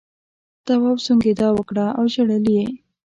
تواب سونگېدا وکړه او ژړل یې.